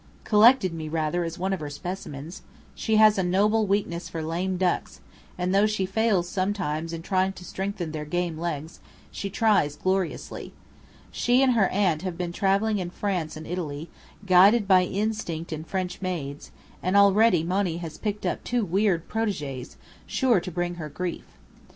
"Collected me, rather, as one of her 'specimens.' She has a noble weakness for lame ducks, and though she fails sometimes in trying to strengthen their game legs, she tries gloriously. She and her aunt have been travelling in France and Italy, guided by instinct and French maids, and already Monny has picked up two weird protégées, sure to bring her to grief.